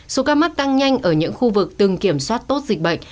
số ca mắc tăng nhanh ở những khu vực từng kiểm soát tốt dịch bệnh